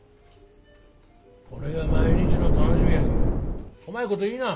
これが毎日の楽しみやきこまいこと言いな。